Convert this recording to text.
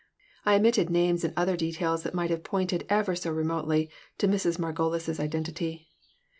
I omitted names and other details that might have pointed, ever so remotely, to Mrs. Margolis's identity.